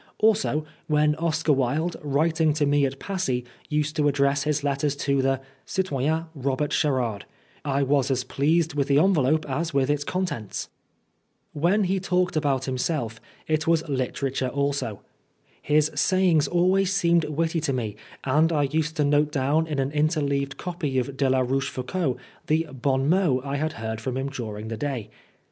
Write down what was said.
Also, when Oscar Wilde, writing to me at Passy, used to address his letters to the " Citoyen Robert Sherard," I was as pleased with the envelope as with its contents. When he talked about himself, it was Oscar Wilde literature also. His sayings always seemed witty to me, and I used to note down in an interleaved copy of de la Roche foucauld the bons mots I had heard from him during the day.